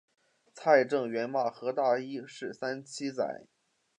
蔡正元骂何大一是三七仔。